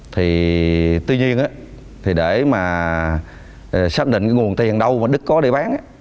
thì tuy nhiên á thì để mà xác định nguồn tiền đâu mà đức có để bán á